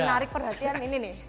menarik perhatian ini nih